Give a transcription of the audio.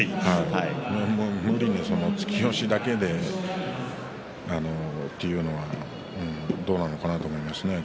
無理に突き押しだけでというのはどうかと思いますね。